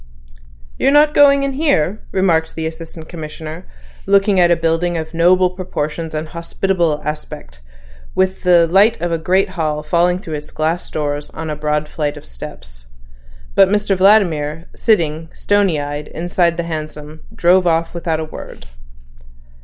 "You're not going in here," remarked the Assistant Commissioner, looking at a building of noble proportions and hospitable aspect, with the light of a great hall falling through its glass doors on a broad flight of steps. But Mr Vladimir, sitting, stony eyed, inside the hansom, drove off without a word.